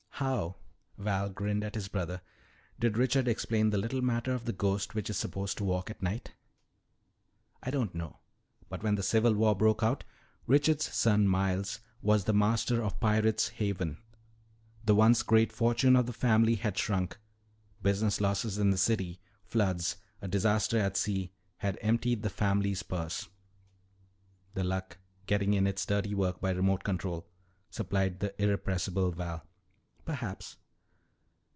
"How," Val grinned at his brother, "did Richard explain the little matter of the ghost which is supposed to walk at night?" "I don't know. But when the Civil War broke out, Richard's son Miles was the master of Pirate's Haven. The once great fortune of the family had shrunk. Business losses in the city, floods, a disaster at sea, had emptied the family purse " "The Luck getting in its dirty work by remote control," supplied the irrepressible Val. "Perhaps.